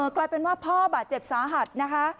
กลายเป็นว่าพ่อบาดเจ็บสาหัสนะคะ